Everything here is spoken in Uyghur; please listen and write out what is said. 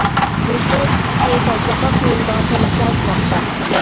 گۆشنىڭ سۈپىتى، تازىلىققا قويۇلىدىغان تەلەپمۇ ئاشماقتا.